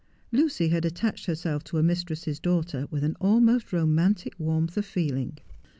Lucy had attached herself to her mistress's daughter with an almost romantic warmth of feeling.